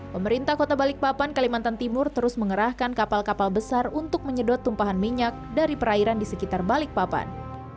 pemerintah kota balikpapan kalimantan timur terus mengerahkan kapal kapal besar untuk menyedot tumpahan minyak dari perairan di sekitar balikpapan